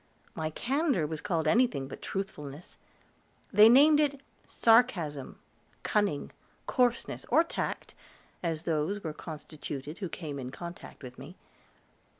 My candor was called anything but truthfulness; they named it sarcasm, cunning, coarseness, or tact, as those were constituted who came in contact with me.